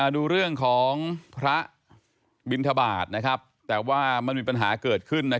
ดูเรื่องของพระบินทบาทแต่ว่ามันมีปัญหาเกิดขึ้น